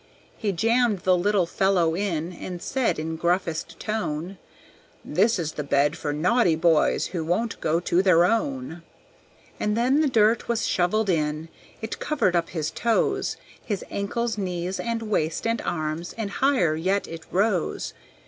He jammed the little fellow in, and said in gruffest tone, "This is the bed for naughty boys who won't go to their own." And then the dirt was shovelled in, it covered up his toes, His ankles, knees, and waist and arms, and higher yet it rose.